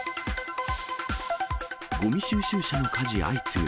ごみ収集車の火事相次ぐ。